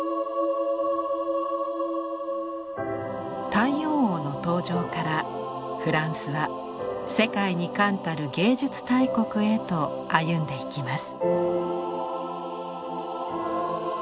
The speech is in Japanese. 太陽王の登場からフランスは世界に冠たる芸術大国へと歩んでいきます。